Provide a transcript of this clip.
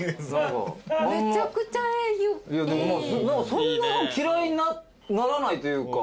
そんな嫌いにならないというか。